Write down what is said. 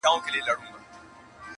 • نړیوال راپورونه پرې زياتيږي,